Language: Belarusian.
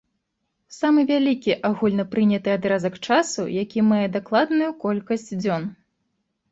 Самы вялікі агульнапрыняты адрэзак часу, які мае дакладную колькасць дзён.